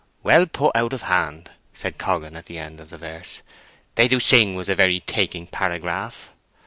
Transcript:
"Well put out of hand," said Coggan, at the end of the verse. "'They do sing' was a very taking paragraph."